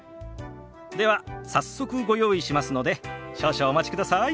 では早速ご用意しますので少々お待ちください。